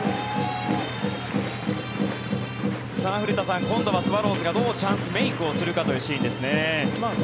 古田さん今度はスワローズがどうチャンスメイクするかというシーンですね。